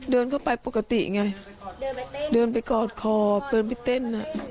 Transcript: เดินไปกอดคอเตินไปเต้น